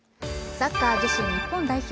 サッカー女子日本代表